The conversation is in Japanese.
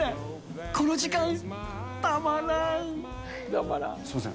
この時間、たまらん。